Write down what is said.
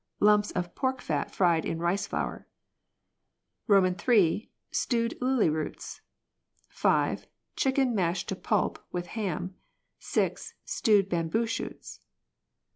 Lumps of pork fat fried in rice flour. III. Stewed li]y roots. 5. Chicken mashed to pulp, with ham. 6. Stewed bamboo shoots.